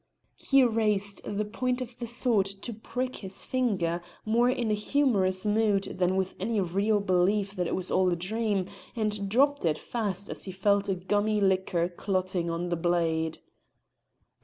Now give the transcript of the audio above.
He raised the point of the sword to prick his finger, more in a humorous mood than with any real belief that it was all a dream, and dropped it fast as he felt a gummy liquor clotting on the blade.